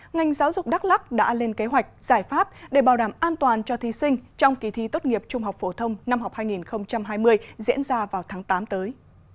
ngành giáo dục đắk lắc đã lên kế hoạch giải pháp để bảo đảm an toàn cho thí sinh trong kỳ thi tốt nghiệp trung học phổ thông năm học hai nghìn hai mươi diễn ra vào tháng tám tới